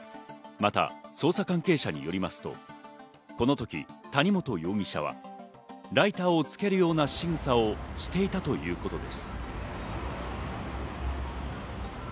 また、捜査関係者によりますと、その時、谷本容疑者はライターをつけるようなしぐさをしていたということです。